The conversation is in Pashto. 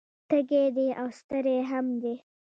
تږی دی او ستړی هم دی